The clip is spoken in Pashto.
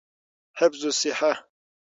حفظی الصیحه